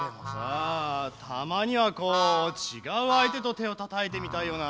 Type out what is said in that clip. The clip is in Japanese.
あたまにはこうちがうあいてとてをたたいてみたいよな。